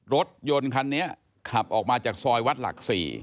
รถยนต์คันนี้ขับออกมาจากซอยวัดหลัก๔